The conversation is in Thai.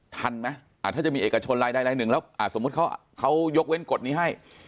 ทันไหมถ้าจะมีเอกชนใดหนึ่งสมมุติเขายกเว้นกฎนี้ให้